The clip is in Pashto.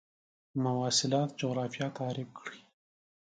مواصلات جغرافیه تعریف کړئ.